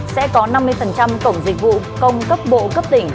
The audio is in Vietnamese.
sẽ có năm mươi cổng dịch vụ công cấp bộ cấp tỉnh